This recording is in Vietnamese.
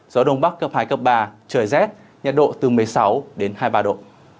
gió đông bắc cấp hai cấp ba trời rét nhiệt độ từ một mươi sáu đến hai mươi ba độ